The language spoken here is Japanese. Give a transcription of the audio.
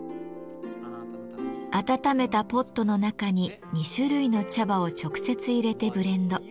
温めたポットの中に２種類の茶葉を直接入れてブレンド。